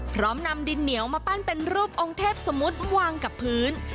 พร้อมนำดินเหนียวมาปั้นเป็นรูปองค์เทพสมมุติวางกับพื้น